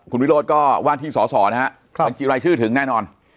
คุณวิโรธก็ว่าที่สอสอนะฮะบัญชีรายชื่อถึงแน่นอน